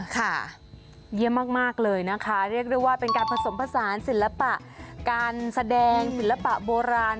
เยี่ยมมากเลยนะคะเรียกได้ว่าเป็นการผสมผสานศิลปะการแสดงศิลปะโบราณ